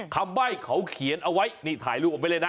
ใบ้เขาเขียนเอาไว้นี่ถ่ายรูปออกไปเลยนะ